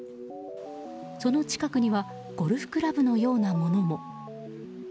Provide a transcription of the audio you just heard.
その近くにはゴルフクラブのようなものも。